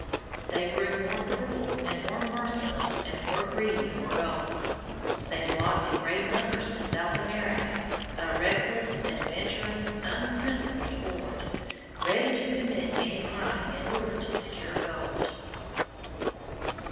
They grew more cruel and more merciless and more greedy for gold. They flocked in great numbers to South America, a reckless, adventurous, unprincipled horde, ready to commit any crime in order to secure gold.